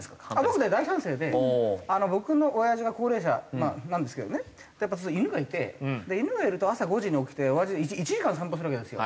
僕ね大賛成で僕のおやじが高齢者なんですけどねやっぱ犬がいて犬がいると朝５時に起きておやじ１時間散歩するわけですよ。